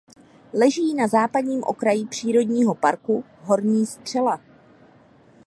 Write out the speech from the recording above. Leží na západním okraji přírodního parku Horní Střela.